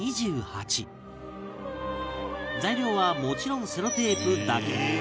材料はもちろんセロテープだけ